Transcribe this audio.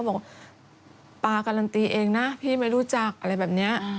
บอกว่าปลาการันตีเองนะพี่ไม่รู้จักอะไรแบบนี้